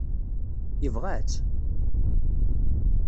Yebɣa-tt?